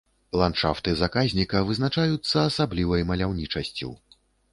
Ландшафты заказніка вызначаюцца асаблівай маляўнічасцю.